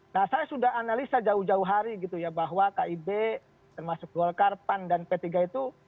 nah saya sudah analisa jauh jauh hari gitu ya bahwa kib termasuk golkar pan dan p tiga itu